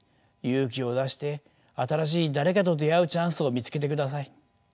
勇気を出して新しい誰かと出会うチャンスを見つけてください。